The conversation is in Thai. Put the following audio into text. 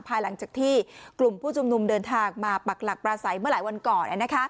ภายหลังจากที่กลุ่มผู้ชุมนุมเดินทางมาปักหลักปราศัยเมื่อหลายวันก่อน